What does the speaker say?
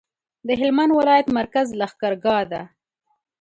د هلمند ولایت مرکز لښکرګاه ده